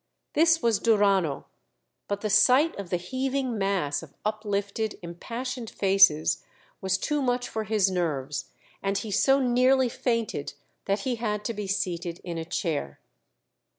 This was Duranno; but the sight of the heaving mass of uplifted, impassioned faces was too much for his nerves, and he so nearly fainted that he had to be seated in a chair.